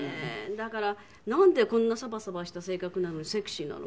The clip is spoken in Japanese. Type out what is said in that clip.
だからなんでこんなサバサバした性格なのにセクシーなのか。